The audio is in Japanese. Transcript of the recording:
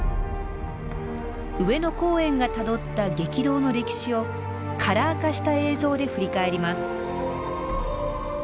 上野公園がたどった激動の歴史をカラー化した映像で振り返ります。